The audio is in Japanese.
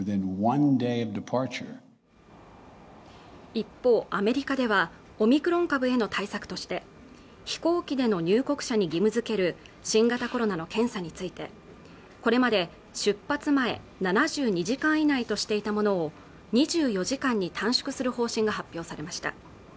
一方アメリカではオミクロン株への対策として飛行機での入国者に義務づける新型コロナの検査についてこれまで出発前７２時間以内としていたものを２４時間に短縮する方針が発表されました